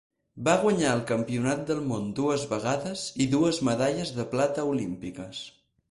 Va guanyar el Campionat del Món dues vegades i dues medalles de plata olímpiques.